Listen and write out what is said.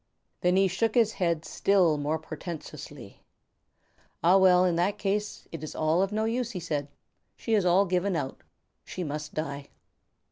Then he shook his head still more portentously. "Ah, well, in that case it is all of no use," he said. "She is all given out. She must die."